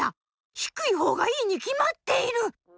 低い方がいいに決まっている」。